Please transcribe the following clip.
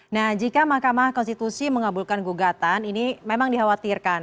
nah jika mahkamah konstitusi mengabulkan gugatan ini memang dikhawatirkan